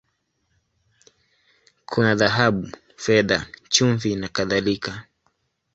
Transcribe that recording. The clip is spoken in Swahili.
Kuna dhahabu, fedha, chumvi, na kadhalika.